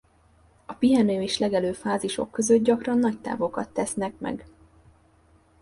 A pihenő- és legelő fázisok között gyakran nagy távokat tesznek meg.